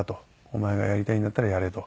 「お前がやりたいんだったらやれ」と。